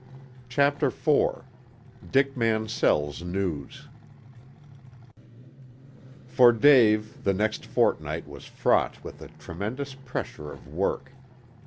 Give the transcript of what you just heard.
CHAPTER IV DICK MANSELL'S NEWS For Dave the next fortnight was fraught with a tremendous pressure of work.